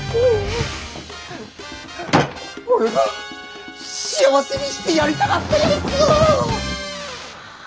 俺が幸せにしてやりたかったヤッサー。